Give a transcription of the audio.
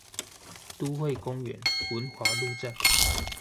都會公園文華路站